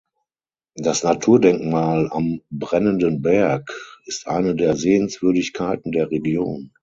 Das Naturdenkmal am "Brennenden Berg" ist eine der Sehenswürdigkeiten der Region.